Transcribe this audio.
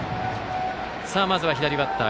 まず左バッター